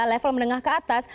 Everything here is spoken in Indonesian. level menengah ke atas